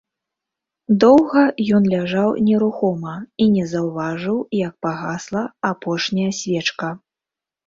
Доўга ён ляжаў нерухома і не заўважыў, як пагасла апошняя свечка.